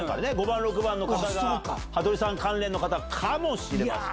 ５番６番の方が羽鳥さん関連の方かもしれません。